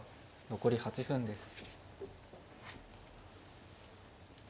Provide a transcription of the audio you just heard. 残り８分です。